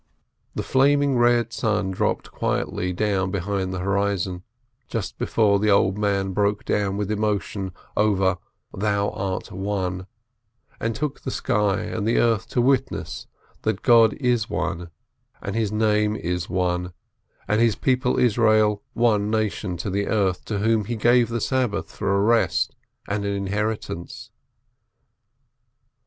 The flaming red sun dropt quietly down behind the horizon just before the old man broke down with emo tion over "Thou art One," and took the sky and the earth to witness that God is One and His Name is One, and His people Israel one nation on the earth, to whom He gave the Sabbath for a rest and an inheritance.